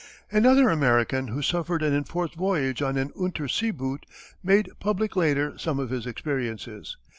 Another American who suffered an enforced voyage on an unterseeboot made public later some of his experiences.